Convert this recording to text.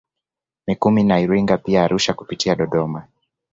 Mikumi na Iringa pia Arusha kupitia Dodoma